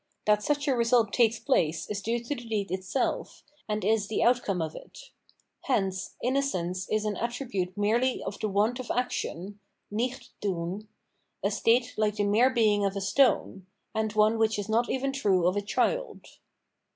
That such a result takes place is due to the deed itself, and is the outcome of it. Hence, innocence is an attribute merely of the want of action (Nicht thun), a state like the mere being of a stone, and one which is not even true of a child.